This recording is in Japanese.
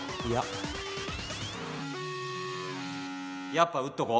やっぱ撃っとこ。